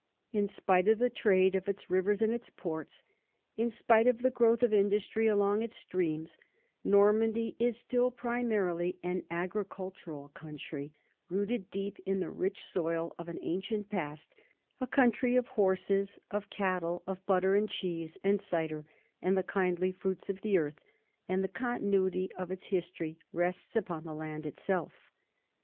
In spite of the trade of its rivers and its ports, in spite of the growth of industry along its streams, Normandy is still primarily an agricultural country, rooted deep in the rich soil of an ancient past, a country of horses and NORMANDY IN HISTORY 7 cattle, of butter and cheese and cider and the kindly fruits of the earth ; and the continuity of its history rests upon the land itself.